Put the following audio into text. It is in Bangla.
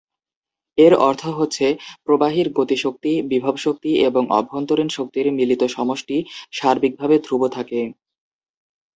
এর অর্থ হচ্ছে, প্রবাহীর গতি শক্তি, বিভব শক্তি এবং অভ্যন্তরীণ শক্তির মিলিত সমষ্টি সার্বিকভাবে ধ্রুব থাকে।